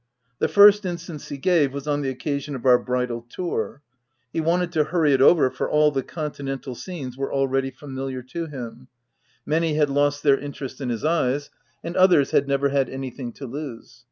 The first instance he gave was on the occa sion of our bridal tour. He wanted to hurry it over, for all the continental scenes were al ready familiar to him : many had lost their OF WILDFELL HALL. 69 interest in his eyes, and others had never had anything to lose.